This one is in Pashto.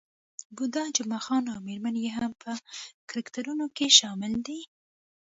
بوډا جمعه خان او میرمن يې هم په کرکټرونو کې شامل دي.